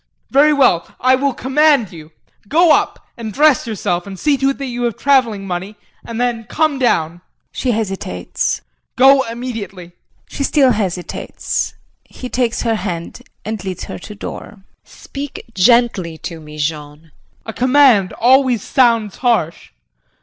Very well I will command you! Go up and dress yourself and see to it that you have travelling money and then come down. [She hesitates.] Go immediately. [She still hesitates. He takes her hand and leads her to door.] JULIE. Speak gently to me, Jean. JEAN. A command always sounds harsh.